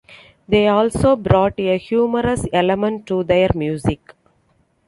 They also brought a humorous element to their music.